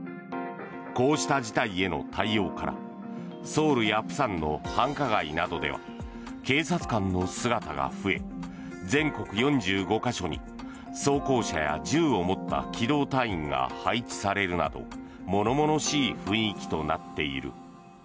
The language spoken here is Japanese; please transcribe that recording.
こうした事態への対応からソウルや釜山の繁華街などでは警察官の姿が増え全国４５か所に装甲車や銃を持った機動隊員が配置されるなど物々しい雰囲気となっている。